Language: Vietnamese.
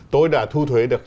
tôi đã thu thuế được